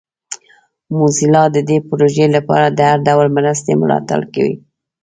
موزیلا د دې پروژې لپاره د هر ډول مرستې ملاتړ کوي.